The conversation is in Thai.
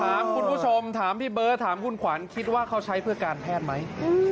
ถามคุณผู้ชมถามพี่เบิร์ตถามคุณขวัญคิดว่าเขาใช้เพื่อการแพทย์ไหม